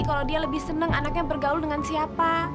kalau dia lebih senang anaknya bergaul dengan siapa